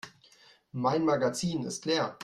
Mein Magazin ist leer.